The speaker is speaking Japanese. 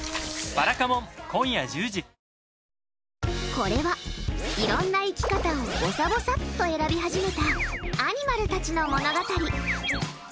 これは、いろんな生き方をぼさぼさっと選び始めたアニマルたちの物語。